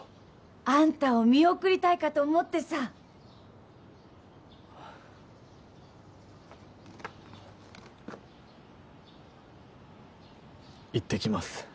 あんたを見送りたいかと思ってさ行ってきます